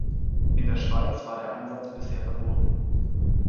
In der Schweiz war der Einsatz bisher verboten.